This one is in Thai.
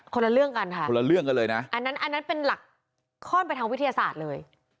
คนละเรื่องกันค่ะอันนั้นเป็นหลักข้อนไปทั้งวิทยาศาสตร์เลย